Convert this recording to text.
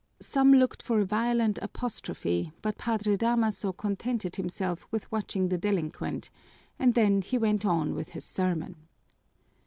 Some looked for a violent apostrophe, but Padre Damaso contented himself with watching the delinquent, and then he went on with his sermon.